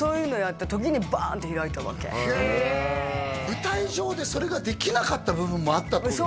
舞台上でそれができなかった部分もあったってことですか？